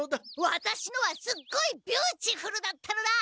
ワタシのはすっごいビューチフルだったのだ！